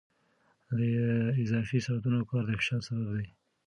د اضافي ساعتونو کار د فشار سبب دی.